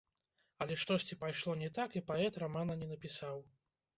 Але штосьці пайшло не так, і паэт рамана не напісаў.